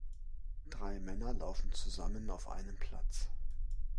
Drei Männer laufen zusammen auf einem Platz